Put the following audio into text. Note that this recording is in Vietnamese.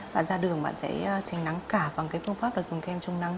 bạn ra đường bạn sẽ tránh nắng cả bằng phương pháp dùng kem chống nắng